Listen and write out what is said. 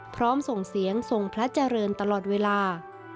พร้อมส่งเสียงทรงพระเจริญตลอดเวลา